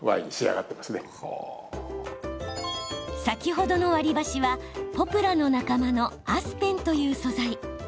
先ほどの割り箸はポプラの仲間のアスペンという素材。